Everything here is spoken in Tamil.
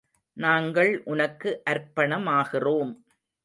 நாங்கள் உனக்கு அர்ப்பணமாகிறோம்.